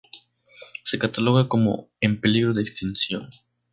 Se cataloga como "En peligro de Extinción".